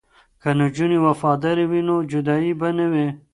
که نجونې وفادارې وي نو جدایی به نه وي.